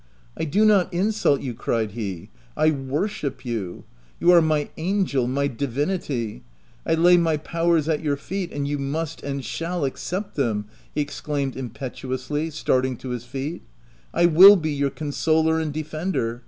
" I do not insult you/' cried he : u I worship you. You are my angel — my divinity ! I lay my powers at your feet — and you must and shall accept them! ,, he exclaimed impetuously, starting to his feet —" I will be your consoler and defender